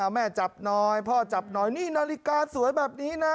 แม่จับหน่อยพ่อจับหน่อยนี่นาฬิกาสวยแบบนี้นะ